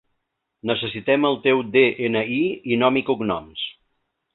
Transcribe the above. Necessitem el teu de-ena-i i nom i cognoms.